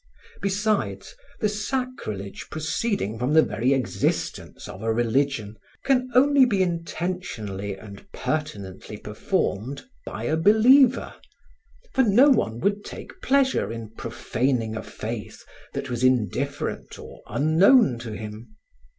Besides, the sacrilege proceeding from the very existence of a religion, can only be intentionally and pertinently performed by a believer, for no one would take pleasure in profaning a faith that was indifferent or unknown to him.